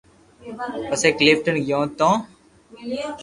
پسي ڪلفٽن گيو تي